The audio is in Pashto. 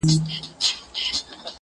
وجود غواړمه چي زغم د نسو راوړي-